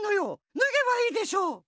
ぬげばいいでしょう。